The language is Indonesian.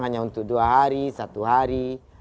hanya untuk dua hari satu hari